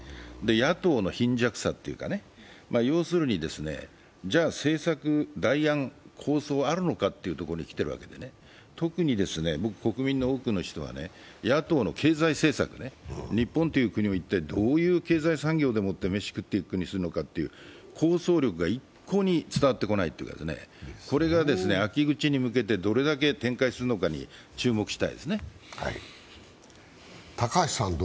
野党の貧弱さというか、じゃあ政策、代案、構想はあるのかというところにきててね、特に国民の多くの人は野党の経済政策、日本という国を一体どういう経済産業でもって飯を食っていくようにするのか、構想力が一向に伝わってこないというか、これが秋口に向けてどれだけ展開するのかに注目したいです。